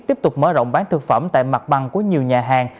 tiếp tục mở rộng bán thực phẩm tại mặt bằng của nhiều nhà hàng